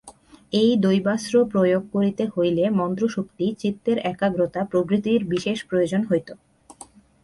এই দৈবাস্ত্র প্রয়োগ করিতে হইলে মন্ত্রশক্তি, চিত্তের একাগ্রতা প্রভৃতির বিশেষ প্রয়োজন হইত।